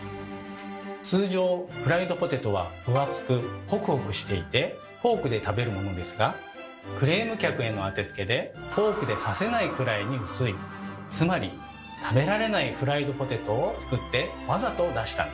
通常フライドポテトは分厚くホクホクしていてフォークで食べるものですがクレーム客への当てつけでフォークで刺せないくらいに薄いつまりこれでも食ってろ。